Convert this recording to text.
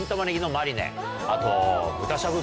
あと。